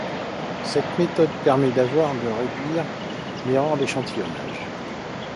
Cette méthode permet parfois de réduire l'erreur d'échantillonnage.